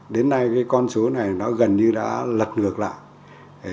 đến nay cái con số này nó gần như đã lật ngược lại